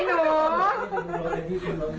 ไม่มีอะไรเว้ยทีนี้อยู่ด้วย